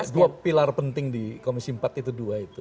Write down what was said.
dua pilar penting di komisi empat itu dua itu